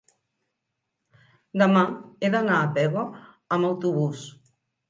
Demà he d'anar a Pego amb autobús.